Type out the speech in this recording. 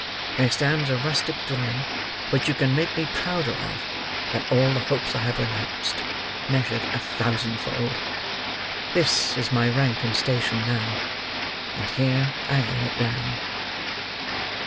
—there stands a rustic dwelling which you can make me prouder of, than all the hopes I have renounced, measured a thousandfold. This is my rank and station now, and here I lay it down!"